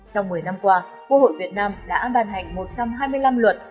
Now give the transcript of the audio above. trong một mươi năm qua quốc hội việt nam đã bàn hành một trăm hai mươi năm luật